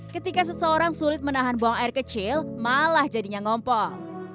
ketika seseorang sulit menahan buang air kecil malah jadinya ngompol